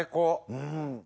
うん。